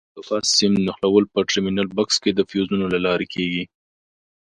د فاز سیم نښلول په ټرمینل بکس کې د فیوزونو له لارې کېږي.